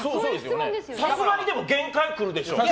さすがに限界くるでしょ。